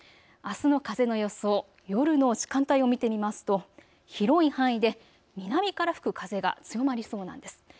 あすの風の予想、夜の時間帯を見てみますと広い範囲で南から吹く風が強まりそうなんです。